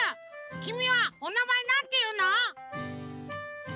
きみはおなまえなんていうの？